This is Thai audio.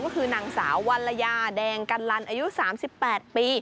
ก็คือนางสาววัลยาแดงกันลันอายุ๓๘ปี